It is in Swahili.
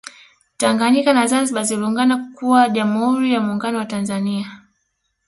Tanganyika na Zanzibar ziliungana kuwa Jamhuri ya Muungano wa Tanzania